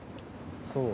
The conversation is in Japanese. そう？